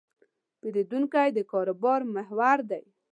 پیرودونکی د کاروبار محور دی.